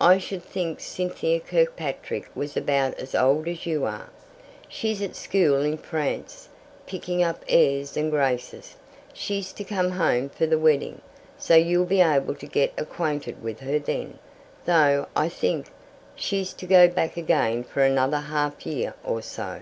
I should think Cynthia Kirkpatrick was about as old as you are. She's at school in France, picking up airs and graces. She's to come home for the wedding, so you'll be able to get acquainted with her then; though, I think, she's to go back again for another half year or so."